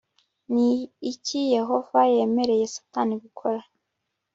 ni iki yehova yemereye satani gukora